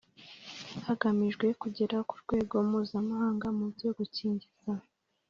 hagamijwe kugera ku rwego mpuzamahanga mu byo gukingiza